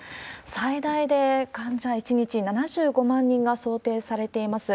最大で患者１日７５万人が想定されています。